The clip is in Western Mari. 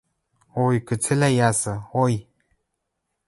Ой, кыцелӓ ясы, ой!